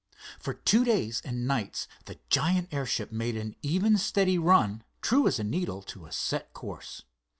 For two days and nights the giant airship made an even, steady run, true as a needle to a set course.